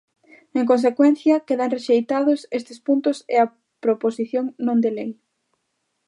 En consecuencia, quedan rexeitados estes puntos e a proposición non de lei.